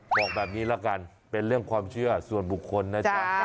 บอกแบบนี้ละกันเป็นเรื่องความเชื่อส่วนบุคคลนะจ๊ะ